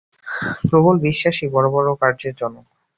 প্রবল বিশ্বাসই বড় বড় কার্যের জনক।